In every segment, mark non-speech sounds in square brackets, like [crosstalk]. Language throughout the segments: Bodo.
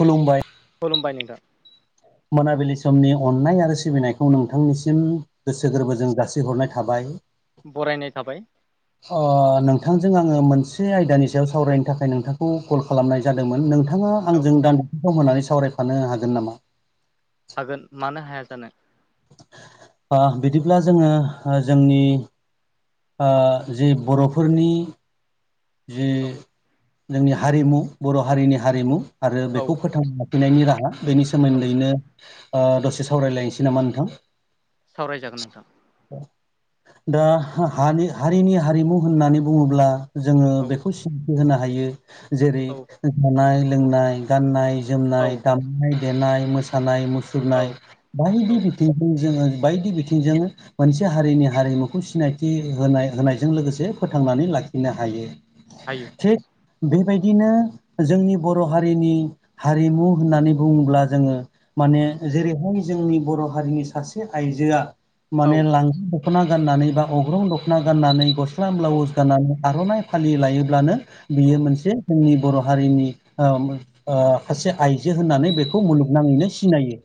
खुलुमबाय। खुलुमबाय नोंथां। मोनाबिलि समनि अननाय आरो सिबिनायखौ नोंथांनिसिम। गोसो गोरबोजों जासिहरनाय थाबाय। बरायनाय थाबाय। अ नोंथांजों आङो मोनसे आयदानि सायाव सावरायनो थाखाय नोंथांखौ कल खालामनाय जादोंमोन नोंथाङा औ आंजों दान्दिसे सम होननानै सावरायफानो हागोन नामा? हागोन मानो हाया जानो। आ बिदिब्ला जोङो जोंनि आ जि बर'फोरनि जि औ जोंनि हारिमु बर' हारिनि हारिमु आरो औ बेखौ फोथां नायनि राहा बेनि औ सोमोन्दैनो दसे सावरायलायनोसै नामा नोंथां? सावरायजागोन नोंथां [inaudible] दा हा हारिनि हारिमु होननानै बुङोब्ला जोङो औ बेखौ [unintelligible] होनो हायो जेरै औ जानाय लोंनाय गाननाय औ जोमनाय दा मनाय देनाय मोसानाय औ मुसुरनाय बायदि औ बिथिंजों जोङो बायदि बिथिंजों मोनसे हारिनि हारिमुखौ सिनायथि होनाय होनायजों लोगोसे फोथांनानै लाखि नो हायो। हायो। थिग बेबायदिनो जोंनि बर' हारिनि हारिमु होननानै बुङोब्ला जोङो माने जेरैहाय जोंनि बर' हारिनि सासे आइजोआ माने औ लांगा दख'ना गाननानै बा अग्रं दख'ना गाननानै गस्ला औ ब्लाउस गाननानै आर'नाइ फालि लायोब्लानो बियो औ मोनसे जोंनि बर' हारिनि ओ सासे आइजो होननानै बेखौ मुलुगनाङैनो सिनायो।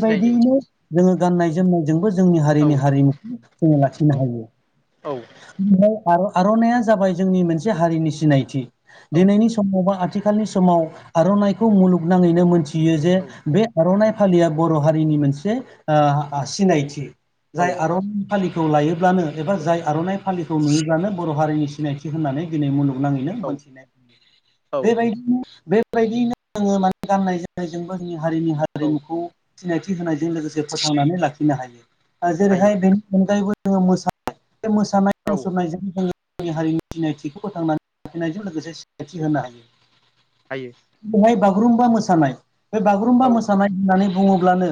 सिनाय जायो जोङो गाननाय जोमनायजोंबो जोंनि औ हारिनि हारिमु जोङो लाखिनो औ हायो औ आ आरननाया जाबाय जोंनि मोनसे हारिनि सिनायथि औ दिनैनि स' मबा आथिखालनि समाव आर'नाइखौ मुगनाङैनो मोनथियो जे औ बे आर'नाइ फालिया बर' हारिनि मोनसे ओ सिनायथि औ जाय आर' फालिखौ लायोब्लानो एबा जाय आर'नाइ फालिखौ नुयोब्लानो बर' हारिनि सिनायथि होननानै दिनै मुलुगनाङैनो औ मोनथिनाय औ बेबायदिनो बेबायदिनो जोङो माने गाननाय जोम नायजोंबो जोंनि हारिनि औ हारिमुखौ सिनायथि होनायजों लोगोसे फोथांनानै लाखिनो हायो। हायो जेरैहाय बेनि अनगायैबो जोङो मोसानाय बे मोसानाय औ मुसुरनायजों जोङो [unintelligible] जोंनि हारिनि सिनायथिखौ फोथांनानै लाखिनायजों लोगोसे सिनायथि होनो हायो। हायो। जेरैहाय बागुरुम्बा मोसानाय बे बागुरुम्बा औ मोसानाय होननानै बुङोब्लानो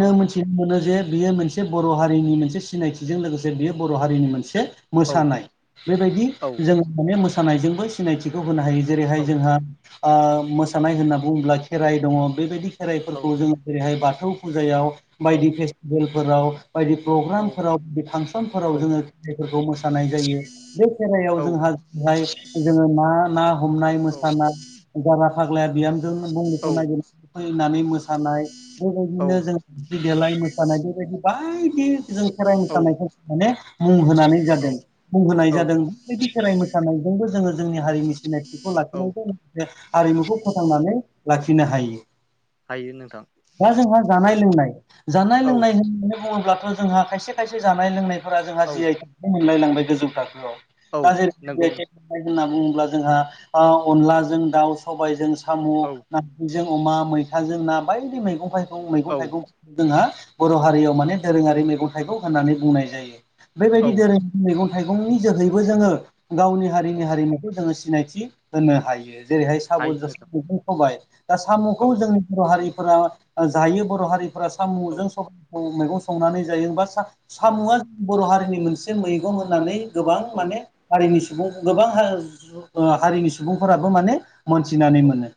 औ मोनसे बेखौनो जे बियो मोनसे बर' हारिनि मोनसे सिनायथिजों लोगोसे बियो बर' हारिनि मोनसे औ मोसानाय बेबायदि औ जोङो माने मोसानायजोंबो सिनायथिखौ होनो हायो। जेरैहाय- औ जोंहा ओ मोसानाय होनना बुङोब्ला खेराइ दङ बेबायदि खेराइफोरखौ जोङो जेरैहाय बाथौ फुजायाव औ बायदि फेस्टिभेलफोराव बायदि औ प्रग्रामफोराव बायदि फांसनफोराव जोङो खेराइफोरखौ मोसानाय जायो। बे खेराइयाव जोंहा बेवहाय जोङो ना ना हमनाय औ मोसानाय जाग्रा फाग्लाया बिहाम जो मुंलिखौ नागिरनानै फैनानै मोसानाय औ बेबायदिनो जों दावस्रि देलाय मोसानाय बेबायदि बायदि जों खेराइ मोसानायखौ माने मुं होनानानै जादों मुं होनाय जादों। बेबायदि खेराइ मोसानायजोंबो जोङो जोंनि हारिनि सिनायथिखौ औ लाखिनायजों बे आरिमुखौ फोथांनानै लाखिनो हायो। हायो नोंथां। दा जोंहा जानाय लोंनाय जानाय औ लोंनाय होननानै बुङोब्लाथ' जोंहा खायसे खायसे जानाय लोंनाय फोरा जोङा औ जि आइ टेगबो मोनलाय लांबाय गोजौ थाखोआव औ दा जिहेथु जि नंगौ आइ टेग होनना बुङोब्ला जोंहा ओ अनलाजों दाउ सबाइजों साम' औ ना जों अमा मैथाजों ना बायदि मैगं थाइगं मैगं औ -थाइगं जोंहा बर' हारियाव माने दोरोङारि मेगं थाइखौ होननानै बुंनाय जायो औ बेबायदि दोरो मैगं थाइगंनि जोहैबो जोङो गावनि हारिनि हारिमुखौ जोङो सिनायथि होनो हायो जेरैहाय साम'खौ हायो नोंथां [unintelligible] होबाय दा औ साम'खौ जों बर' हारिफोरा जायो बर' हारिफोरा औ साम'जों स [unintelligible] मैगं संनानै जायो बा सा औ साम'आ बर' हारिनि मोनसे मैगं होननानै गोबां औ माने हारिनि सुबुं गोबां हारिनि सुबुंफोराबो माने मोनथिनानै औ मोनो।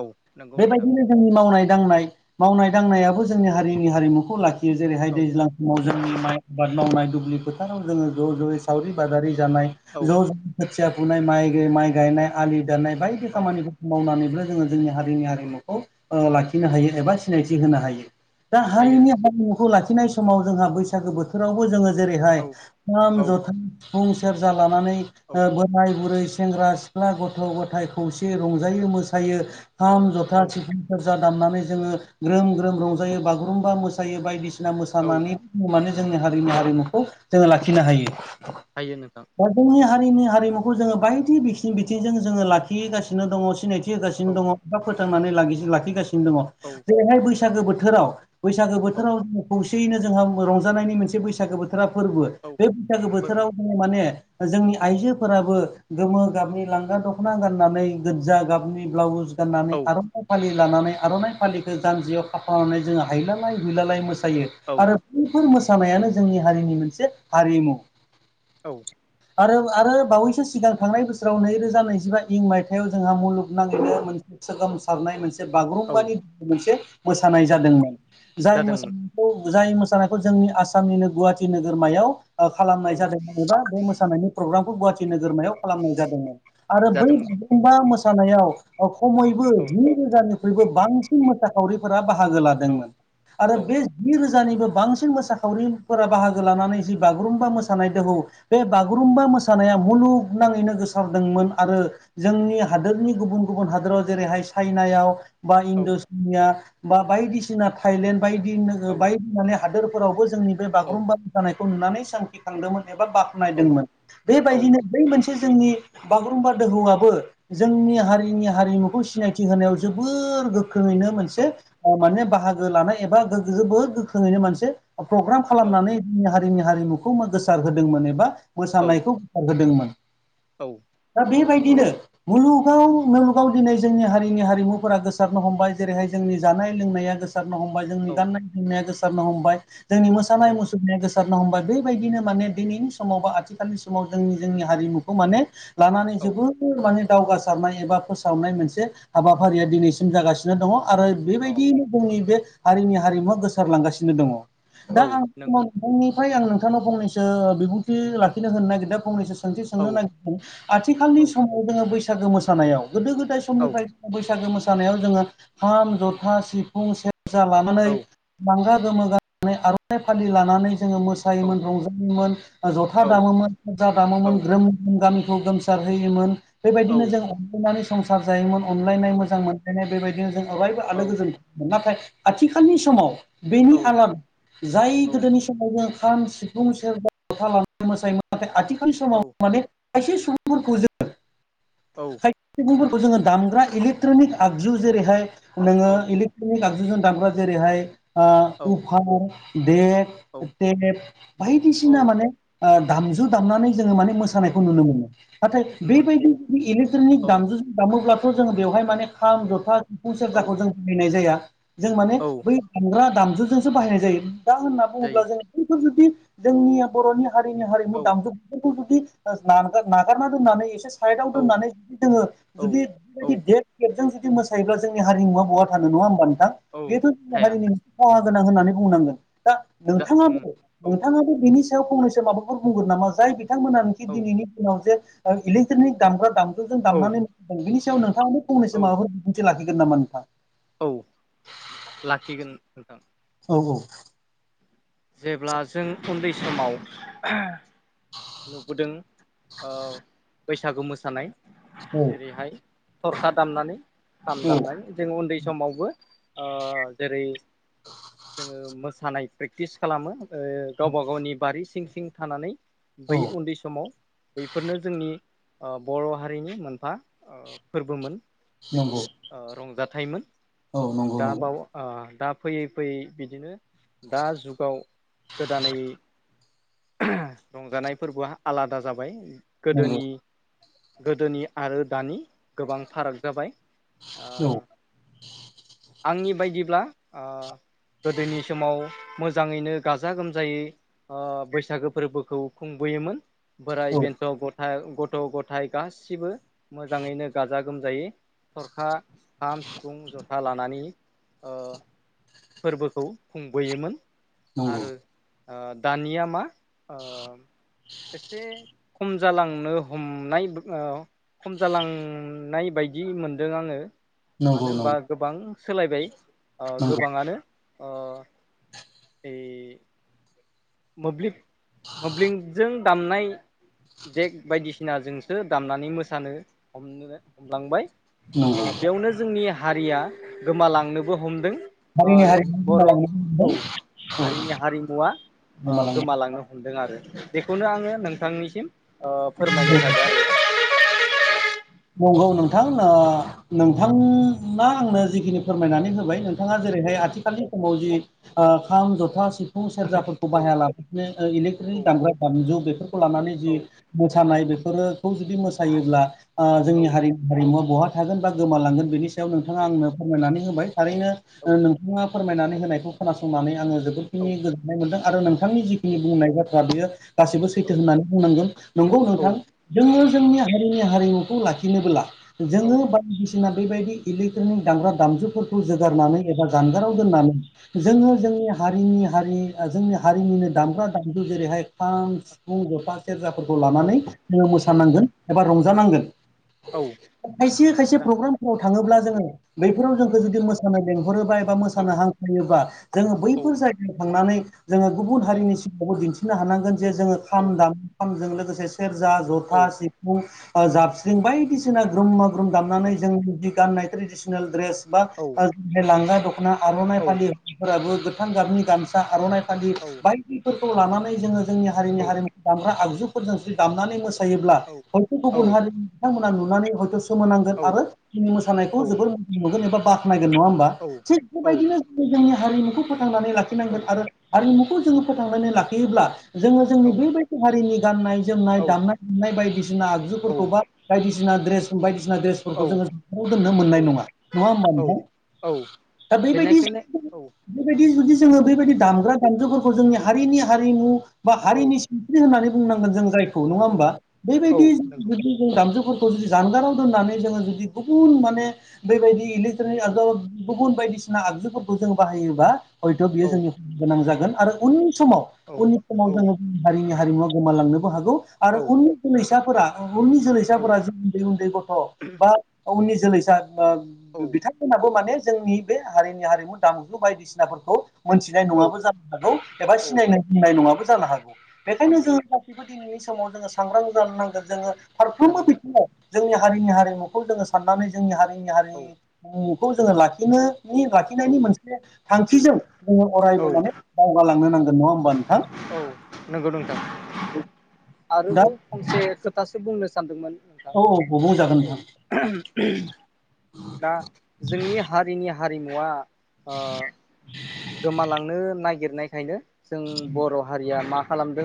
औ नंगौ नोंथां बेबायदिनो जोंनि मावनाय दांनाय मावनाय दांनायाबो जोंनि हारिनि हारिमुखौ ला खियो जेरैहाय औ दैज्लां समाव जोंनि औ माइ आबाद मावनाय दुब्लि फोथाराव जोङो ज' ज' जयै सावरि बादारि जानाय औ ज' ज' खोथिया फुनाय माइ माइ गायनाय आलि दाननाय बायदि औ खामानिखौ मावनानैबो जोङो जोंनि हारिनि हारिमुखौ ओ लाखिनो हायो एबा सिनायथि होनो हायो। दा हायो हारिनि हारिमुखौ लाखिनाय समाव जोंहा बैसागो बोथोरावबो जोङो जेरैहाय औ खाम औ जथा सिफुं सेर्जा लानानै औ ओ बोराय बुरै सेंग्रा सिख्ला गथ' गथाय खौसेै रंजायो मोसायो खाम, जथा, औ सिफुं, सेर्जा दामनानै जोङो ग्रोम ग्रोम रंजायो बागुरुम्बा मोसायो बायदिसि सिना औ मोसानानै जोङो माने जोंनि हारिनि हारिमुखौ जोङो लाखिनो हायो। हायो नोंथां। दा जोंनि हारिनि हारिमुखौ जोङो बायदि बिथिं बिथिंजों जोङो लाखिगासिनो दङ सिनायथिनि औ होगासिनो दङ बा फोथांनानै लागि लाखिगासिनो दङ औ जेरैहाय बैसागो बोथोरावो बैसागो औ बोथोराव जोङो खौसेयैनो जोंहा रंजानायनि मोनसे बैसागो बोथोरा फोरबो औ बे बैसागो फोरबो बोथोराव जोङो माने जोंनि आइजोफोराबो गोमो गाबनि लांगा दख'ना गाननानै गोजा गाबनि ब्लाउस गाननानै औ आरो आर फालि लानानै आर'नाइ फालिखौ जानजियाव खाफानानै जोंङो हायलालाय हुइलालाय मोसायो औ आरो। बफोर मोसानायानो जोंनि हारिनि मोनसे हारिमु। औ। आरो आरो बावैसो सिगां थांनाय बोसोराव नैरोजा नैजिबा इं मायथायाव जोंहा मुलुगनि नाङैनो मोनसे सोगोमसारनाय मोनसे औ बागुरुम्बानि मोनसे मोसानाय जादोंमोन जाय जादोंमोन मोसानायखौ खौ जाय मोसानायखौ जोंनि आसामनिनो गुवाहाटि नोगोरमायाव औ खालामनाय जादोंमोन। एबा बे मोसानायनि प्रग्रामखौ गुवाहाटि नोगोरमायाव खालामनाय जादोंमोन आरो बै जादोंमोन गुम्बा मोसानायाव खमैबो औ जि रोजानिख्रुइबो बांसिन मोसाखावरिफोरा बाहागो औ लादोंमोन आरो औ बे जि रोजानिबो बांसिन मोसाखावरिफोरा बाहागो लानानै जि बागुरुम्बा मोसानाय दोहौ। बे बागुरुम्बा मोसानाया मुलुगनाङैनो गोसारदोंमोन आरो। जोंनि हादोरनि गुबुन गुबुन हादोराव जेरैहाय चाइनायावो बा औ इणड'सिनिया बा बायदिसिना थाइलेण्ड बायदि औ बायदि माने हादोरो फोरावबो जोंनि बे औ बागुरुम्बा मोसानायखौ नुनानै सांखिखांदोंमोन एबा बाख्नायदोंमोन औ बेबादिनो बै मोनसे जोंनि बागुरुम्बा दोहौआबो जोंनि हारिनि हारिमुखौ सिनायथि होनायाव जोबोर गो गोख्रोङैनो मोनसे माने बाहागो लानाय एबा गो बो बहुद गोख्रोङैनो मोनसे प्रग्राम खालामनानै जोंनि हारिनि हारिमुखौ गोसार होदोंमोन एबा मोसानायखौओ होदोंमोन। औ। दा बेबादिनो मुलुगाव मुलुगाव दिनै जोंनि हारिनि हारिमुफोरा गोसारनो हमबाय जेरैहाय जोंनि जानाय लोंनाया गोसि सारनो हमबाय जोंनि औ गाननाय जोमनाया गोसारनो हमबाय जोंनि मोसानाय मुसुरनाया गोसा सारनो हमबाय बेबायदिनो माने दिनैनि समाव बा आथिखालनि समाव जोंनि जोंनि हारिमुखौ माने लानानै जोबोद जोबोर माने दावगासारनाय एबा फोसावनाय मोनसे हाबाफारिया दिनैसिम जागासिनो दङ आरो। औ बेबायदियैनो जोंनि बे हारिनि हारिमुवा गोसारलांगासिनो दङ दा औ आं नंगौ [unintelligible] आंनिफ्राय आं नोंथांनो फंनैसो बिबुंथि लाखिनो होनो नागिरदों फंनैसो सों सोंथि औ सोंनो नागिरदों औ आथिखालनि समाव जोङो बैसागो मोसानायाव गोदो गोदाय औ औ समनिफ्राय जों बैसागो मोसानायाव जोङो खाम जथा सिफुं सेर जा लानानै औ लांगा गोमो गानानै आर'नाइ फालि लानानै जोङो मोसा योमोन रंजायोमोन ज'था दामोमोन जथा दामोमोन औ ग्रोम गामिखौ गोमसार होयोमोन औ बेबायदिनो जों अनलायनानै संसार जायोमोन अनलायनाय औ मोजां मोन नाय बेबायदिनो जों अरायबो आलो औ गोजोन नाथाय आथिखालनि समावो बेनि औ आलादा जाय औ गोदोनि समाव जों खाम औ सिफुं सेरजा जथा लानानै मोसायोमोन नाथाय आथिखालनि समाव औ माने खायसे सुबुंफोरखौ जोङो। औ। सुबुंफोरखौ जोङो दामग्रा इलेकट्रनिक आगजु जेरैहाय नोङो इले नि आगजुजों दानग्रा जेरैहाय औ उभान बे [unintelligible] औ बायदिसिना माने दामजु दामनानै जोङो माने मोस औ सानायखौ नुनो मोनो नाथाय मोन बेबायदि इलेक्ट्रनिक औ दामजुजों दामोब्लाथ' जोङो बेवहाय माने खाम औ जथा सिफुं औ सेरजाखौ जों बाहायनाय जाया जों माने औ बै दामग्रा दामजुजोंसो बाहायनाय जायो दा होनना बुङोब्ला जायो जोंङो बफोर जुदि जोंनिया बर'नि हारिनि हारिमु औ दामजुखौ जुदि नागारना दोन्नानै एसे साइदखव औ दोननानै जुदि जोङो औ जुदि बेबायदि औ देक टेकजों जुदि मोसायोब्ला जोंनि हारिमुा बहा थानो नङा होमबा नोंथां औ बेथ जोंनि थाया हारिनि खहा गोनां होननानै बुंनांगोन। दा जा उम नोंथाङाबो औ नोंथाङाबो बिनि फंनैसो माबाफोर बुंगोन नामा जाय बिथांमोनानोखि औ दिनैनि दिनाव जे इलिक्ट्रिकनि दामग्रा दाम खो जों औ दामनानै बिनि सायाव नोंथाङावनो औ फंनैसो माबाफोर बिदिन्थि लाखिगोन नामा नोंथां? औ लाखिगोन नोंथां। औ औ। जेब्ला जों उन्दै समाव नुबोदों ओ बैसागु मोसानाय। औ जेरैहाय थरसा दामनानै खाम दामनानै जोङो उन्दै समावबो ओ जेरै जोङो मोसानाय प्रेग टिस खालामो ओ गावबा गावनि बारि सिं सिं थानानै औ बै उन्दै समाव बैफोरनो जोंनि ओ बर' हारिनि मोनफा ओ फोरबोमोन। नंगौ जोंनि ओ रंजाथाइमोन औ नंगौ दा नंगौ बाव ओ दा फैयै फैयै बिदिनो दा जुगाव गोदानै रंजानाय फोरबोआ आलादा जाबाय। नंगौ गोदोनि गोदोनि आरो दानि गोबां फाराग जाबाय। ओ। औ आंनि बायदिब्ला ओ गोदोनि समाव मोजाङैनो गाजा गोमजायै ओ बैसागो फोरबोखौ खुंबोयोमोन। बोराइ औ बेन्थ' गथाय गथ' गथाय गासिबो मोजाङैनो गाजा गोमजायै थरखा, खाम, सिफुं, जथा लानानै ओ फोरबोखौ खुंबोयोमोन। नंगौ आरो ओ दानिया मा ओ एसे खम जालांनो हमनाय ओ खम जालांनाय बायदि मोनदों आङो। नंगौ मानो होनबा नंगौ गोबां सोलायबाय ओ नंगौ गोबाङानो ओ। ओइ। मोब्लिब मोब्लिबजों दामनाय देग बायदिसिनाजोंसो दामनानै मोसानो हमनो हमलांबाय। ओ नंगौ बेयावनो जोंनि हारिया गोमालांनोबो हमदों। ओ हारिनि हारिमु बर' गोमालांनो हमदों औ औ हारिनि हारिमुवा ओ गोमालांनो हमदों आरो बेखौनो आङो नोंथांनिसिम ओ हमदों। फोरमायनो था नंगौ नोंथां ओ नोंथांङा आंनो जिखिनि फोरमायनानै होबाय नों बिथाङा जेरैहाय आथिखालनि समाव जि ओ खाम, जथा, सिफ खौ सेरजाफोरखौ औ बाहायालाफासिनो ओ औ इलेक्ट्रनिक दामग्रा दामजु बेफोर खौ लानानै औ जि मोसानाय बेफोरोखौ जुदि मोसायोब्ला ओ औ जोंनि हारि हारिमुवा बहा थागोन बा गोमालांगोन बेनि नोंथाङा आंनो फोरमायनानै होबाय थारैनो औ ओ नोंथाङा फोरमायनानै होनायखौ खोनासंनानै आङो औ जोबोदखिनि गोजोननाय मोनदों आरो नोंथांनि जिखिनि बुंनाय बाथ्रा बेयो गासैबो औ सैथो होननानै बुंनांगोन नंगौ नोंथां जोङो जोंनि हारिनि हारिमु खौ लाखिनोब्ला औ जोङो बायदिसिना बेबायदि इलेक्ट्रनिकनि दामग्रा दामजुफोर खौ औ जोगारनानै एबा जानगाराव औ दोननानै औ जोङो जोंनि हारिनि हारि। ओ जोंनि हारिनिनो दामग्रा दामजु जेरैहाय खाम, सिफुं, जथा सेरजाफोरखौ औ लानानै जोङो औ मोसानांगोन एबा औ रंजानांगोन। औ खायसे खायसे दा प्रग्रामफोराव थाङोब्ला जोङो। बैफोराव जोंखौ औ जुदि मोसानो लेंहरोबा एबा औ मोसानो हांख्रायोबा जोङो औ बैफोर जा जायगायाव थांनानै जोङो गुबुन औ हारिनि सिगाङावबो दिन्थिनो हानांगोन जे जोङो औ खाम दाम खामजों लोगोसे सेरजा, औ जथा, सिफुं, ओ जाबस्रिं बायदिसिना ग्रोममा [unintelligible] औ दामनानै जोंनि गाननाय ट्रेदिसनेल द्रेस बा लांगा दख ना आर'नाइ फालि हौवाफोराबो गोथां गाबनि गामसा आर'नाइ फालि बायदि फोरखौ लानानै जोङो जोंनि हारिनि हारिमुखौ दामग्रा आगजुफोरजों जुदि दामनानै मोसा योब्ला हयथ' गुबुन हारिनि बिथांमोना नुनानै हयथ' सोमोनांगोन आरो जोंनि मोसानायखौ जोबोर मोजां मोनगोन एबा बाख्नायगोन नङा होमबा थिग बेबायदिनो जोंनि हारिमुखौ फोथांनानै लाखिनांगोन आरो हारिमुखौ जोङो फोथांनानै लाखियोब्ला जोङो जोंनि बेबायदि हारिनि गाननाय जोमनाय औ दामनाय देनाय बायदिसिना आगजुफोरखौबा बायदिसिना द्रेस बायदिसिना द्रेस औ फोरखौ जोङो जाव दोननो मोननाय नङा नङा होमबा नोंथां औ दा बेबायदि बेनिखायनो औ बेबायदि जुदि जोङो बेबायदि औ दामग्रा दामजुफोरखौ जोंनि हारिनि हारिमु बा औ हारिनि सिनस्रि होननानै बुंनांगोन जों जायखौ नङा होमबा औ औ बेबायदि नंगौ जुदि जों दामजुफोरखौ जुदि जानगाराव दोन्नानै जोङो जुदि गुबुन माने बेबायदि औ [unintelligible] गु बुन बायदिसिना आगजुफोरखौ जों बाहायोबा हयथ' बियो औ जोंनि गोनां जागोन आरो उननि समाव औ उननि समाव औ जोङो हारिनि हारिमुवा गोमालांनोबो हागौ। आरो उननि जोलैसाफोरा उननि औ जोलैसाफोरा जि उन्दै उन्दै गथ' बा उननि जोलैसा औ ओ बिथां फोराबो माने जोंनि बे हारिनि हारिमु दामजु बायदिसिनाफोरखौ मोनथिनाय औ नङाबो जानो हागौ एबा औ सिनायनाय होननाय नङाबो जानो हागौ बेखायनो हागौ जों बेबायदिनि समाव जोङो सांग्रां जानो नांगोन जोङो फारफ्रोमबो जानांगोन बिथिङाव जोंनि हारिनि हारिमुखौ जोङो साननानै जोंनि हारिनि औ हारिमु खौ जोङो लाखिनो लाखिनायनि औ मोनसे थांखिजों जोङो औ अरायबो माने दावगालांनो नांगोन नङा होमबा नोंथां? औ नंगौ नोंथां दा आरोबाव फंसे खोथासो बुंनो सानदोंमोन। नोंथां औ औ बुंजागोन नोंथां। [inaudible] दा जोंनि हारिनि हारिमुवा [inaudible] गोमालांनो नागिरनायखायनो जों बर' हारिया मा खालामदों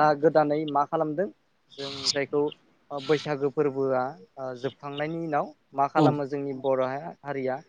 दा गोदानै मा खालामदों जों जायखौ बैसागो फोरबोआ जोबखांनायनि उनाव मा औ खालामो जोंनि बर' हारिया